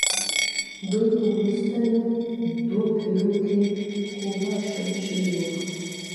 دوی په وروستیو دوو پېړیو کې خورا شتمن شوي وو